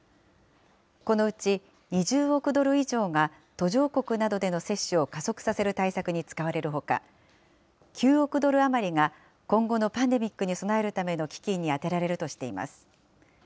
このうち２０億ドル以上が途上国などでの接種を加速させる対策に使われるほか、９億ドル余りが、今後のパンデミックに備えるための基金に充てられるとしています。